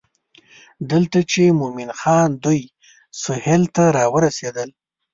دلته چې مومن خان دوی سهیل ته راورسېدل.